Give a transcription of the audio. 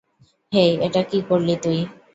হেই, এটা কী করলি তুই?